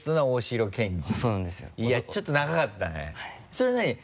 それは何？